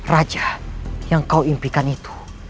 raja yang kau impikan itu